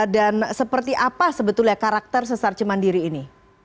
dan seperti apa sebetulnya karakter sesar cimandiri ini